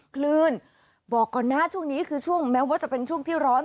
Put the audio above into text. คลื่นบอกก่อนนะช่วงนี้คือช่วงแม้ว่าจะเป็นช่วงที่ร้อน